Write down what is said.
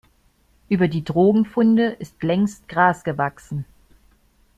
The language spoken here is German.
Über die Drogenfunde ist längst Gras gewachsen.